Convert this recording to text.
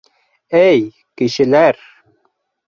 Эй, кешеләр!